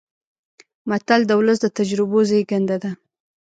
متل د ولس د تجربو زېږنده ده